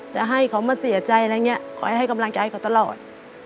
จะให้เขามาเสียใจอะไรอย่างนี้ขอให้กำลังใจเขาตลอด